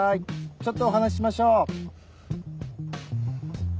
ちょっとお話しましょう。